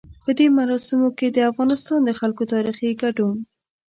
په دې مراسمو کې د افغانستان د خلکو تاريخي ګډون.